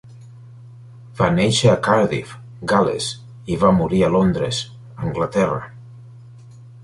Va néixer a Cardiff, Gal·les, i va morir a Londres, Anglaterra.